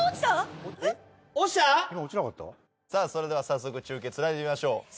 さぁそれでは早速中継繋いでみましょう。